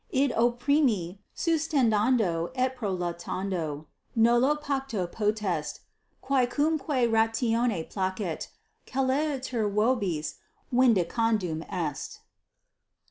Id opprimi sustentando et prolatando nullo pacto potest: quacumque ratione placet, celeriter vobis vindicandum est.